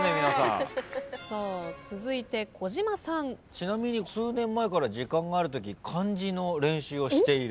ちなみに数年前から時間があるとき漢字の練習をしている？